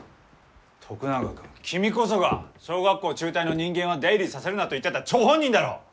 徳永君君こそが小学校中退の人間は出入りさせるなと言ってた張本人だろう！？